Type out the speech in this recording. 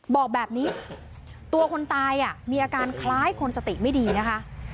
บอกแบบนี้ตัวคนตายมีอาการคล้ายคนสติไม่ดีนะคะ